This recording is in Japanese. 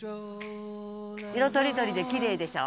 色とりどりできれいでしょ？